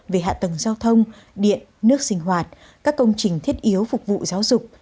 về hạ tầng giao thông điện nước sinh hoạt các công trình thiết yếu phục vụ giáo dục